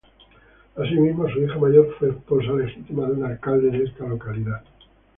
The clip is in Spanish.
Así mismo, su hija mayor fue esposa legítima de un alcalde de esta localidad.